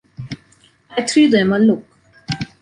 I threw them a look.